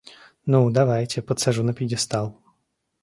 Ну, давайте, подсажу на пьедестал.